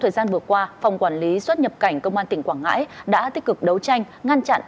thời gian vừa qua phòng quản lý xuất nhập cảnh công an tỉnh quảng ngãi đã tích cực đấu tranh ngăn chặn